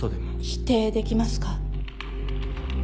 否定できますか？